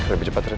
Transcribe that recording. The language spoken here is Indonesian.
lebih cepat ren